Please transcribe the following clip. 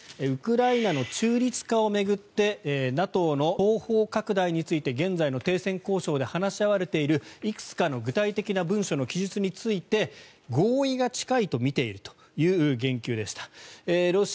ウクライナの中立化を巡ってＮＡＴＯの東方拡大について現在の停戦交渉で話し合われているいくつかの具体的な文書の記述について合意が近いと見ているという言及でした。